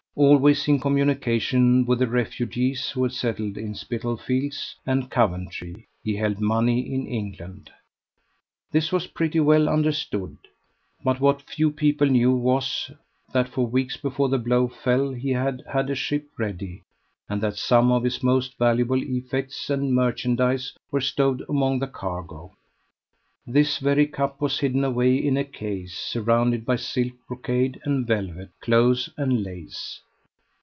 Always in communication with the refugees who had settled in Spitalfields and Coventry, he held money in England. This was pretty well understood; but what few people knew was, that for weeks before the blow fell he had had a ship ready, and that some of his most valuable effects and merchandise were stowed among the cargo. This very cup was hidden away in a case, surrounded by silk brocade and velvet, clothes, and lace.